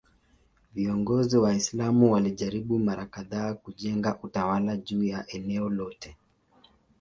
Viongozi Waislamu walijaribu mara kadhaa kujenga utawala juu ya eneo lote.